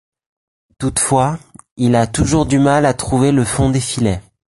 Toutefois, il a toujours du mal à trouver le fond des filets.